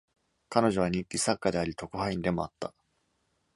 彼女は日記作家であり特派員でもあった。